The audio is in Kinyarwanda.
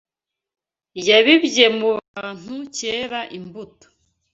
yabibye mu bantu cyera imbuto